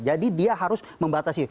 jadi dia harus membatasi